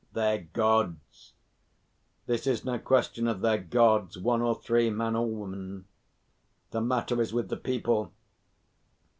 "Their Gods! This is no question of their Gods one or three man or woman. The matter is with the people.